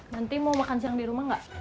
nanti mau makan siang di rumah nggak